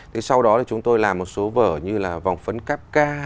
thì sau đó chúng tôi làm một số vở như là vòng phấn cáp ca